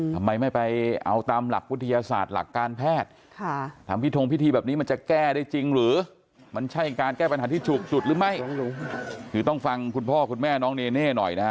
ทำไมไม่ไปเอาตามหลักวุฒิทยาศาสตร์หลักการแพทย์